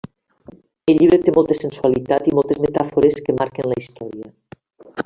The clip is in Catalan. El llibre té molta sensualitat i moltes metàfores que marquen la història.